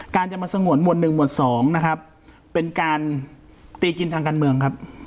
จะมาสงวนหมวดหนึ่งหมวด๒นะครับเป็นการตีกินทางการเมืองครับ